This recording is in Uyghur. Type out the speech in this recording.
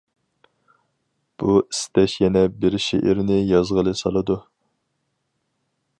بۇ ئىستەش يەنە بىر شېئىرنى يازغىلى سالىدۇ.